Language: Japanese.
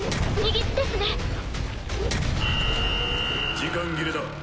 時間切れだ。